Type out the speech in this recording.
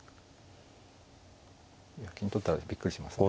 金取ったらびっくりしますね。